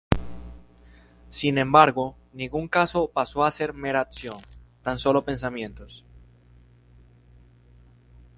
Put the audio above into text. Sin embargo, ningún caso pasó a ser mera acción, tan solo pensamientos.